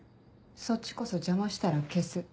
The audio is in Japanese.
そっちこそ邪魔したら消す。